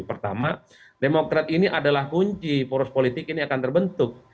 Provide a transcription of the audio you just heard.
pertama demokrat ini adalah kunci poros politik ini akan terbentuk